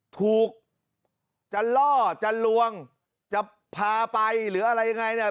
ถูกจะล่อจะลวงจะพาไปหรืออะไรยังไงเนี่ย